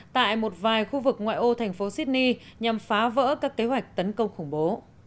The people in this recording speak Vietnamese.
tại một vài khu vực ngoại ô thành phố sydney nhằm phá vỡ các kế hoạch tấn công khủng bố